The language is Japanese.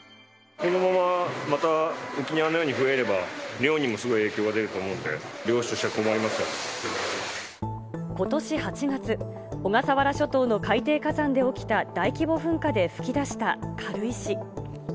このまままた沖縄のように増えれば、漁にもすごい影響が出ると思うので、漁師としては困りまことし８月、小笠原諸島の海底火山で起きた大規模噴火で噴き出した軽石。